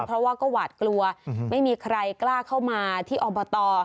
เพราะว่าก็หวาดกลัวไม่มีใครกล้าเข้ามาที่อบต